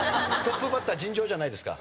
トップバッター尋常じゃないですか？